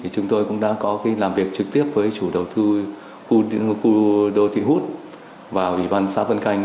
chúng tôi cũng đã có cái làm việc trực tiếp với chủ đầu thư khu đô thị hút vào ủy ban xã vân canh